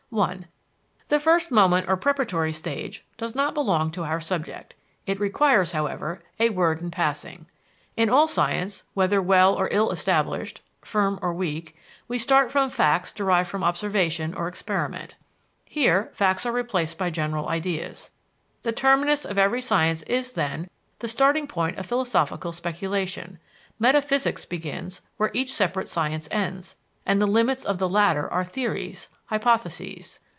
(1) The first moment or preparatory stage, does not belong to our subject. It requires, however, a word in passing. In all science, whether well or ill established, firm or weak, we start from facts derived from observation or experiment. Here, facts are replaced by general ideas. The terminus of every science is, then, the starting point of philosophical speculation: metaphysics begins where each separate science ends; and the limits of the latter are theories, hypotheses.